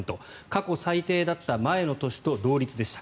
過去最低だった前の年と同率でした。